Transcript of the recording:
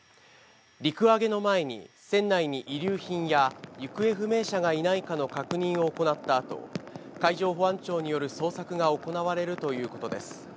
陸揚げの前に船内に遺留品や行方不明者がいないかの確認を行ったあと、海上保安庁による捜索が行われるということです。